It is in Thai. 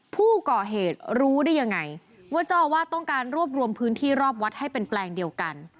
ผู้ก่อเหตุรู้ได้ยังไงว่าเจ้าอาวาสต้องการรวบรวมพื้นที่รอบวัดให้เป็นแปลงเดียวกัน